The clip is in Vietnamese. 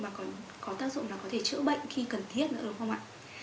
mà còn có tác dụng là có thể chữa bệnh khi cần thiết nữa đúng không ạ